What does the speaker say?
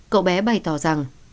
cậu bé bày tỏ rằng